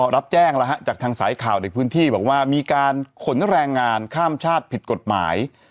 รับแจ้งแล้วฮะจากทางสายข่าวในพื้นที่บอกว่ามีการขนแรงงานข้ามชาติผิดกฎหมาย